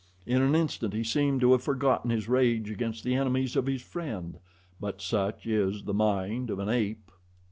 In an instant he seemed to have forgotten his rage against the enemies of his friend; but such is the mind of an ape.